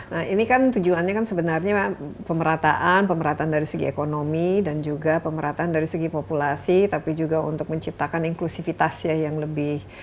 nah ini kan tujuannya kan sebenarnya pemerataan pemerataan dari segi ekonomi dan juga pemerataan dari segi populasi tapi juga untuk menciptakan inklusivitas ya yang lebih